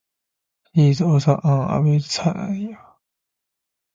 He is also an avid sailor.